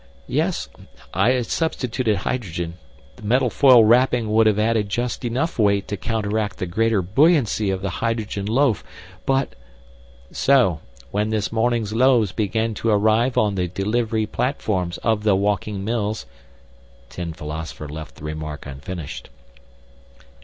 "Yes, I substituted hydrogen. The metal foil wrapping would have added just enough weight to counteract the greater buoyancy of the hydrogen loaf. But " "So, when this morning's loaves began to arrive on the delivery platforms of the walking mills...." Tin Philosopher left the remark unfinished.